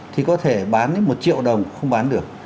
thì có thể bán đến một triệu đồng không bán được